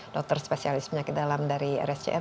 dokter spesialis penyakit dalam dari rscm